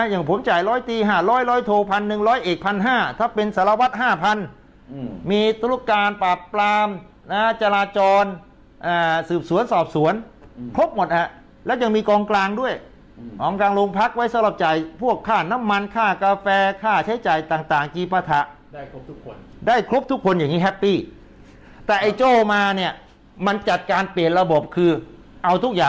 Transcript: อย่างผมจ่าย๑๐๐ตี๕๐๐๑๐๐โทร๑ร้อย๑๕๐๐ถ้าเป็นสรวัสดิ์๕๐๐๐มีธุรการปราบปรามนะจราจรสืบสวนสอบสวนพบหมดอ่ะแล้วจะมีกองกลางด้วยอำกลางโรงพักไว้สำหรับจ่ายพวกข้าน้ำมันค่ากาแฟค่าใช้จ่ายต่างจี๊บประทะได้ครบทุกคนได้ครบทุกคนอย่างนี้แฮปปี้แต่ไอ้โจมาเนี้ยมันจัดการเปลี่ยนระบบคือเอา